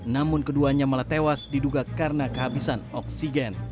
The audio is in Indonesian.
namun keduanya malah tewas diduga karena kehabisan oksigen